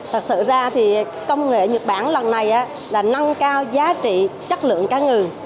thật sự ra thì công nghệ nhật bản lần này là nâng cao giá trị chất lượng cá ngừ